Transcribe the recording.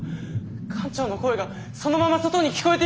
艦長の声がそのまま外に聞こえています。